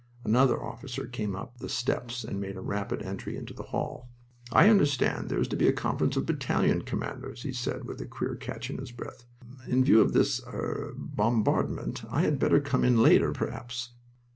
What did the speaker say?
Another officer came up the steps and made a rapid entry into the hall. "I understand there is to be a conference of battalion commanders," he said, with a queer catch in his breath. "In view of this er bombardment, I had better come in later, perhaps?"